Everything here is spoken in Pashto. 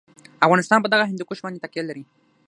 افغانستان په دغه هندوکش باندې تکیه لري.